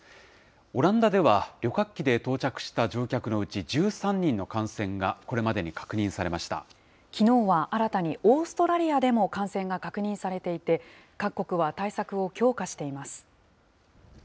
オランダでは、旅客機で到着した乗客のうち１３人の感染がこれまでに確認されまきのうは新たにオーストラリアでも感染が確認されていて、各国は対策を強化しています。